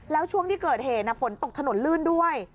แล้วช่วงที่เกิดเหตุฝนตกถนนลื่นด้วย